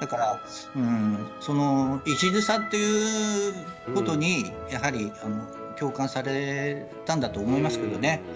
だからうんその一途さということにやはり共感されたんだと思いますけどね。